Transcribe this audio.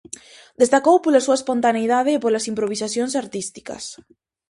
Destacou pola súa espontaneidade e polas improvisacións artísticas.